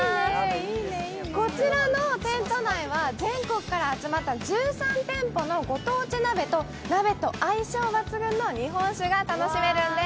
こちらの店舗内は全国から集まった１３店舗のご当地鍋と、鍋と相性抜群の日本酒が楽しめるんです。